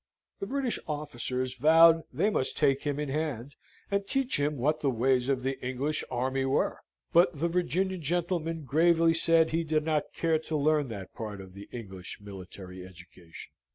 The British officers vowed they must take him in hand, and teach him what the ways of the English army were; but the Virginian gentleman gravely said he did not care to learn that part of the English military education.